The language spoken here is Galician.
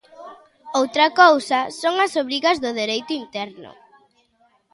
Outra cousa son as obrigas do Dereito interno.